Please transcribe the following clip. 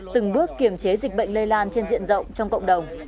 từng bước kiềm chế dịch bệnh lây lan trên diện rộng trong cộng đồng